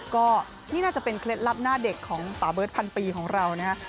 ก็นี่น่าจะเป็นเคล็ดลับหน้าเด็กของป่าเบิร์ตพันปีของเรานะฮะ